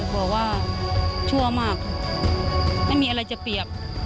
บอกว่าชั่วมากค่ะไม่มีอะไรจะเปรียบ